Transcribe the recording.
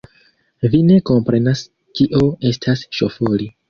Vi ne komprenas, kio estas ŝofori.